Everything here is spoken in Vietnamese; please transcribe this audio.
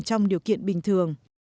trong điều kiện bình thường